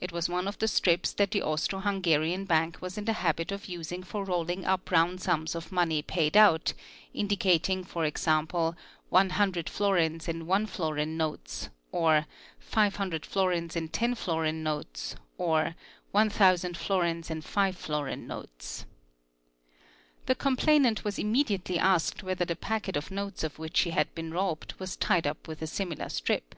It was one of the strips that the Austro Hungarian Bank was in the habit of using for rolling up round sums of money paid out, indicating, e.g.; "100 florins in 1 florin notes" or "500 florins in 10 florin notes" or "1,000 florins in 5 florin notes.'' The complainant vas immediately asked whether the packet of notes of which she had een robbed was tied up with a similar strip.